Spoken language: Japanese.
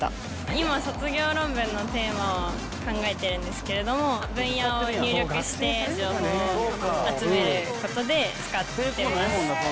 今、卒業論文のテーマを考えてるんですけど、分野を入力して情報を集めることで使ってます。